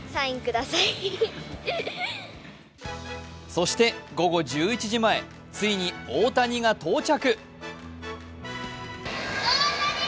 そして午後１１時前ついに大谷が到着。